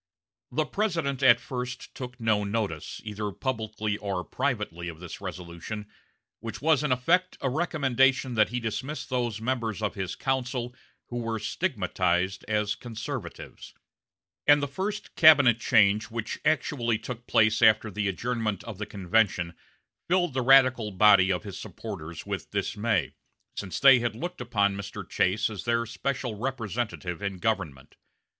The President at first took no notice, either publicly or privately, of this resolution, which was in effect a recommendation that he dismiss those members of his council who were stigmatized as conservatives; and the first cabinet change which actually took place after the adjournment of the convention filled the radical body of his supporters with dismay, since they had looked upon Mr. Chase as their special representative in the government.